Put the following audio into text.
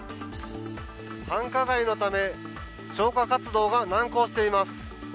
繁華街のため消火活動が難航しています。